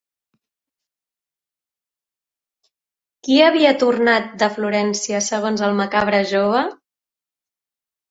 Qui havia tornat de Florència segons el macabre jove?